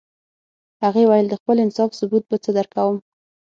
هغې ویل د خپل انصاف ثبوت به څه درکوم